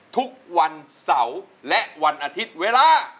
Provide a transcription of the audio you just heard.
ทุกวันเสาร์และวันอาทิตย์เวลา